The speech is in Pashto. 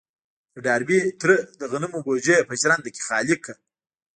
د ډاربي تره د غنمو بوجۍ په ژرنده کې خالي کړه.